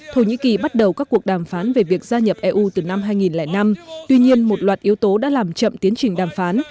thổ nhĩ kỳ bắt đầu các cuộc đàm phán về việc gia nhập eu từ năm hai nghìn năm tuy nhiên một loạt yếu tố đã làm chậm tiến trình đàm phán